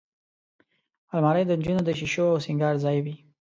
الماري د نجونو د شیشو او سینګار ځای وي